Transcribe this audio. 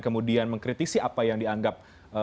kemudian mengkritisi apa yang dianggap